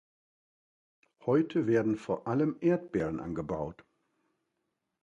Heute werden vor allem Erdbeeren angebaut.